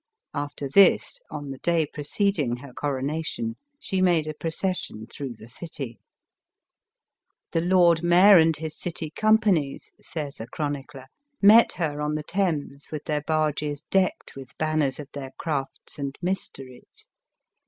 After this, on the day preceding her coronation, she made a proces sion through the city. " The lord mayor and his city companies," says a chronicler, "met her on the Thames with their barges decked with banners of their crafts and mysteries.